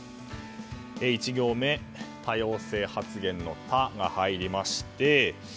１行目、多様性発言の「タ」が入りまして